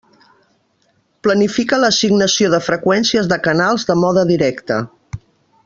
Planifica l'assignació de freqüències de canals de mode directe.